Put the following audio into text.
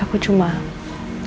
tapi ketika saya namanya az internet